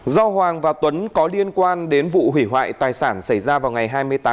do hoàng và tuấn có liên quan đến vụ hủy hoại tài sản xảy ra vào ngày hai mươi tám một mươi một